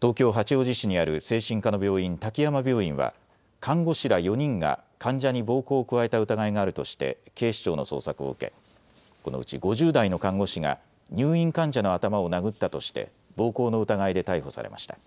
東京八王子市にある精神科の病院、滝山病院は看護師ら４人が患者に暴行を加えた疑いがあるとして警視庁の捜索を受けこのうち５０代の看護師が入院患者の頭を殴ったとして暴行の疑いで逮捕されました。